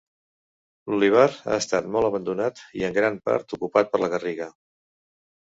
L'olivar ha estat molt abandonat i en gran part ocupat per la garriga.